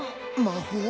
魔法？